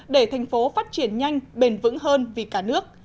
để thành phố phát triển nhanh bền vững hơn vì cả nước